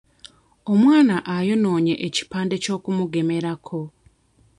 Omwana ayonoonye ekipande ky'okumugemerako.